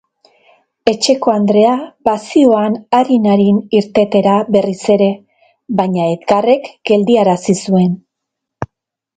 Etxekoandrea bazihoan arin-arin irtetera berriz ere, baina Edgarrek geldiarazi zuen.